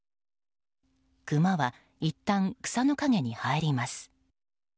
クマはいったん草の陰に入ります。